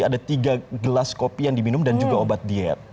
ada tiga gelas kopi yang diminum dan juga obat diet